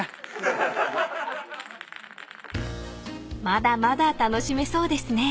［まだまだ楽しめそうですね］